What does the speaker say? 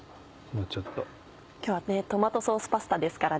今日はトマトソースパスタですからね